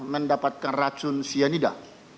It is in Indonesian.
mendapatkan racun sianida